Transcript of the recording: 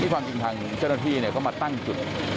นี่ความจริงทางเจ้าหน้าที่เนี่ยก็มาตั้งจุด